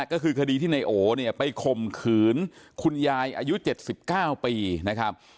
ก็คือคดีที่ในโอเนี่ยไปข่มขืนคุณยายอายุ๗๙ปีนะครับ